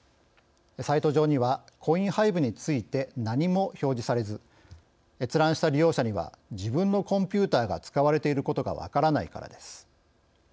サイト上にはコインハイブについて何も表示されず閲覧した利用者には自分のコンピューターが使われていることが分からないからです。